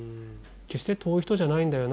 「決して遠い人じゃないんだよな。